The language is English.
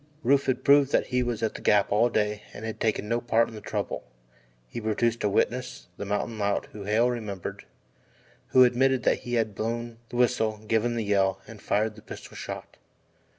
Rufe had proven that he was at the Gap all day and had taken no part in the trouble. He produced a witness the mountain lout whom Hale remembered who admitted that he had blown the whistle, given the yell, and fired the pistol shot.